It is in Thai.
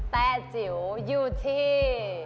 แต่จิ๋วอยู่ที่